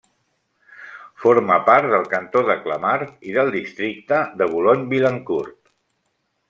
Forma part del cantó de Clamart i del districte de Boulogne-Billancourt.